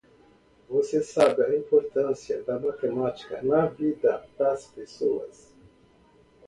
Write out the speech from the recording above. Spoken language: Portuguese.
Você sabe a importância da matemática na vida das pessoas?